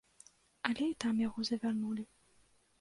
Але і там яго завярнулі.